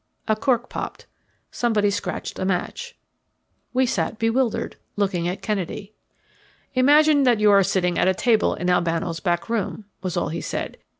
A cork popped. Somebody scratched a match. We sat bewildered, looking at Kennedy. "Imagine that you are sitting at a table in Albano's back room," was all he said.